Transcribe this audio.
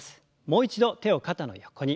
もう一度手を肩の横に。